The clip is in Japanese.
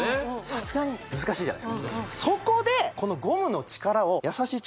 さすがに難しいじゃないですか